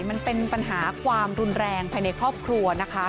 มันเป็นปัญหาความรุนแรงภายในครอบครัวนะคะ